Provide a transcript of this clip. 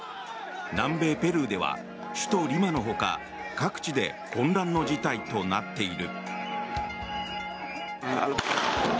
南米ペルーでは、首都リマのほか各地で混乱の事態となっている。